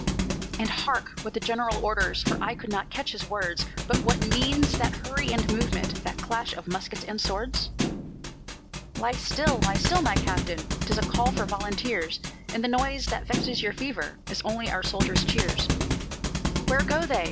"And hark what the General orders, For I could not catch his words; But what means that hurry and movement, That clash of muskets and swords?" "Lie still, lie still, my Captain, 'Tis a call for volunteers; And the noise that vexes your fever Is only our soldiers' cheers." "Where go they?"